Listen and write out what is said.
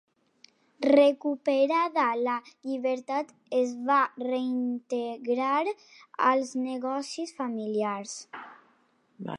Recuperada la llibertat es va reintegrar als negocis familiars.